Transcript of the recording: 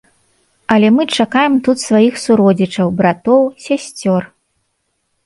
Але мы чакаем тут сваіх суродзічаў, братоў, сясцёр.